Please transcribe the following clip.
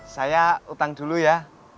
saya utang dulu ya